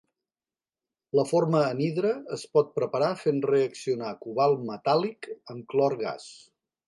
La forma anhidra es pot preparar fent reaccionar cobalt metàl·lic amb clor gas.